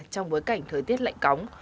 trong bối cảnh thời tiết lạnh cóng